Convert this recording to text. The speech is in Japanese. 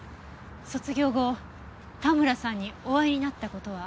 卒業後田村さんにお会いになった事は？